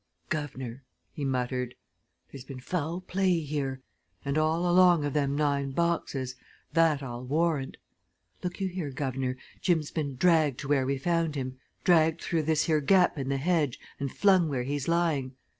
"Guv'nor!" he muttered. "There's been foul play here and all along of them nine boxes that I'll warrant. Look you here, guv'nor Jim's been dragged to where we found him dragged through this here gap in the hedge and flung where he's lying.